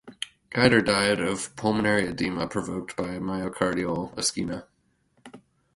Gaidar died of pulmonary edema, provoked by myocardial ischemia.